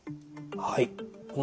はい。